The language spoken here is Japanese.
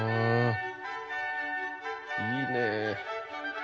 いいね。